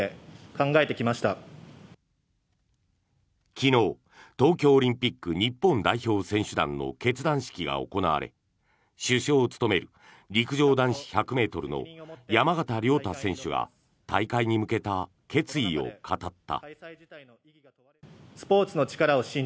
昨日、東京オリンピック日本代表選手団の結団式が行われ主将を務める陸上男子１００ｍの山縣亮太選手が大会に向けた決意を語った。